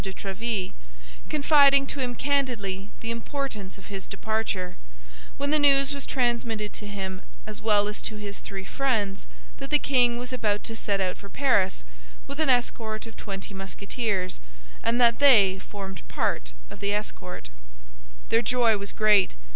de Tréville, confiding to him candidly the importance of his departure, when the news was transmitted to him as well as to his three friends that the king was about to set out for Paris with an escort of twenty Musketeers, and that they formed part of the escort. Their joy was great.